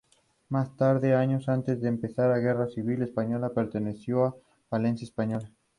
Más tarde, años antes de comenzar la Guerra Civil Española, perteneció a Falange Española.